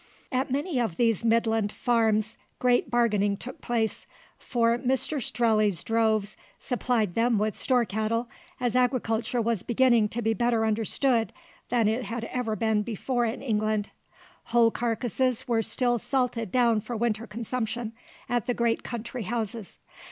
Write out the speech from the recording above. At many of these midland farms great bargaining took place, for Mr Strelley's droves supplied them with store cattle, as agriculture was beginning to be better understood than it had ever before been in England. Whole carcases were still salted down for winter consumption at the great country houses.